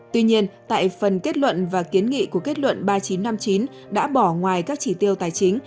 tuy nhiên tại phần kết luận và kiến nghị của kết luận ba nghìn chín trăm năm mươi chín đã bỏ ngoài các chỉ tiêu tài chính